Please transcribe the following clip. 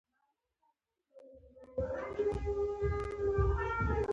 چای د سهار لومړی سلام دی.